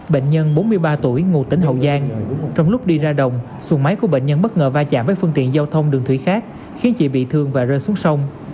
bệnh nhân bốn mươi ba tuổi ngụ tỉnh hậu giang trong lúc đi ra đồng xuồng máy của bệnh nhân bất ngờ va chạm với phương tiện giao thông đường thủy khác khiến chị bị thương và rơi xuống sông